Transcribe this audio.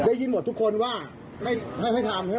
ได้ยินหมดทุกคนว่าให้ทำใช่ไหม